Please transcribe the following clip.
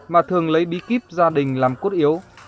mà thường lấy bí kíp gia đình làm cốt yếu